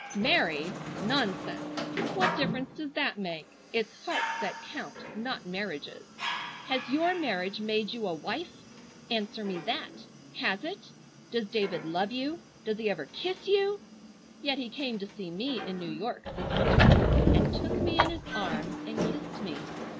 "Married! Nonsense! What difference does that make? It's hearts that count, not marriages. Has your marriage made you a wife? Answer me that! Has it? Does David love you? Does he ever kiss you? Yet he came to see me in New York this winter, and took me in his arms and kissed me.